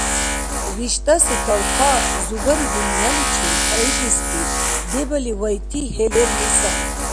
ВиштӀаси талхъа зубари-дунъяличир хӀейгести, дебали вайти гье лерли сари